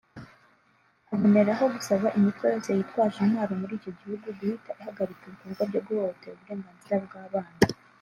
aboneraho gusaba imitwe yose yitwaje intwaro muri icyo gihugu guhita ihagarika ibikorwa byo guhohotera uburenganzira bw’abana